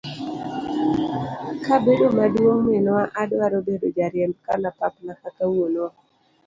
kabedo maduong' minwa adwaro bedo jariemb kalapapla kaka wuonwa.